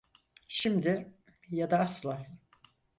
Şimdi ya da asla.